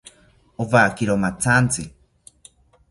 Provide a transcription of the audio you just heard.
Owakiro mathantzi